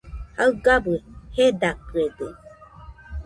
Jaɨgabɨ jedakɨede